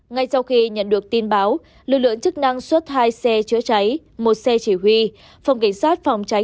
ngay sau khi nhận được tin báo lực lượng chức năng xuất hai xe chữa cháy một xe chỉ huy